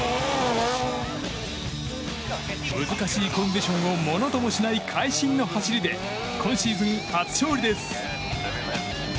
難しいコンディションをものともしない会心の走りで今シーズン初勝利です。